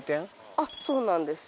あっそうなんですよ